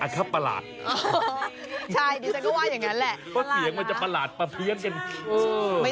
เชื่อสายรับแผนนี้